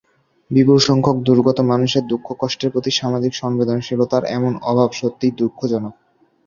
বিপুলসংখ্যক দুর্গত মানুষের দুঃখকষ্টের প্রতি সামাজিক সংবেদনশীলতার এমন অভাব সত্যিই দুঃখজনক।